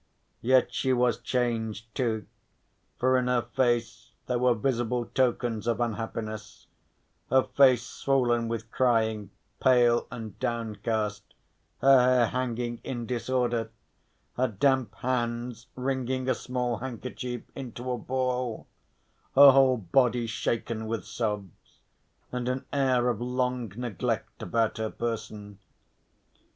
Yet she was changed too, for in her face there were visible tokens of unhappiness, her face swollen with crying, pale and downcast, her hair hanging in disorder, her damp hands wringing a small handkerchief into a ball, her whole body shaken with sobs, and an air of long neglect about her person.